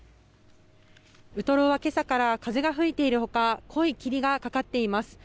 「ウトロは今朝から小雨が降り続いて更に濃い霧もかかっています。